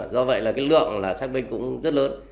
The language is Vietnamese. do vậy lượng xác minh rất lớn